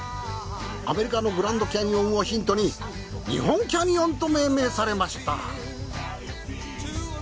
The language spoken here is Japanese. アメリカのグランドキャニオンをヒントに日本キャニオンと命名されました。